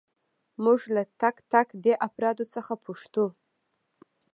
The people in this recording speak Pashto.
موږ له تک تک دې افرادو څخه پوښتو.